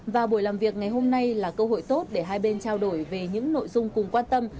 và buổi làm việc ngày hôm nay là cơ hội tốt để hai bên trao đổi về những nội dung cùng quan tâm